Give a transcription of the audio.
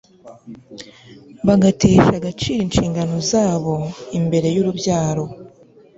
bagatesha agaciro inshingano zabo imbere yurubyaro